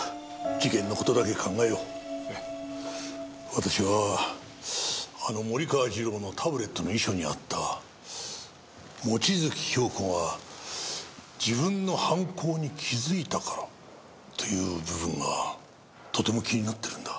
私はあの森川次郎のタブレットの遺書にあった望月京子が自分の犯行に気づいたからという部分がとても気になってるんだ。